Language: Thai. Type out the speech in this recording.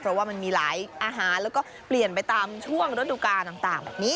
เพราะว่ามันมีหลายอาหารแล้วก็เปลี่ยนไปตามช่วงฤดูกาลต่างแบบนี้